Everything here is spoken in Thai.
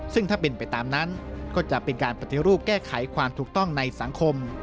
ซึ่งถ้าเป็นไปตามนั้นก็จะเป็นการปฏิรูปแก้ไขความถูกต้องในสังคม